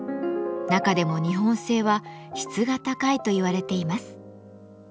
中でも日本製は質が高いといわれています。